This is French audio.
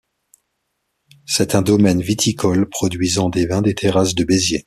C'est un domaine viticole produisant des vins des terrasses de Béziers.